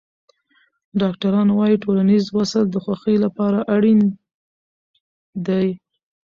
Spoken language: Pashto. ډاکټران وايي ټولنیز وصل د خوښۍ لپاره اړین دی.